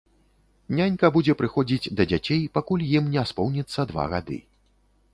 Нянька будзе прыходзіць да дзяцей, пакуль ім не споўніцца два гады.